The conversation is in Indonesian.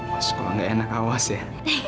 mas kok nggak enak awas ya